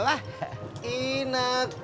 buat timpeng lo